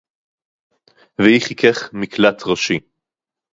וִיהִי חֵיקֵךְ מִקְלַט רֹאשִׁי